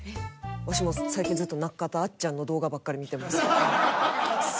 ワシも最近ずっと中田あっちゃんの動画ばっかり見てます。